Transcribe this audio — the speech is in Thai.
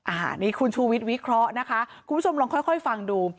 อันนี้คุณชูวิทย์วิเคราะห์นะคะคุณผู้ชมลองค่อยฟังดู